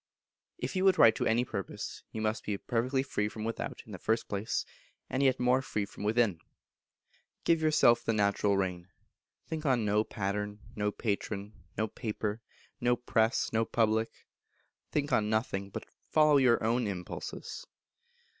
If you would write to any purpose, you must be perfectly free from without, in the first place, and yet more free from within. Give yourself the natural rein; think on no pattern, no patron, no paper, no press, no public; think on nothing, but follow your own impulses.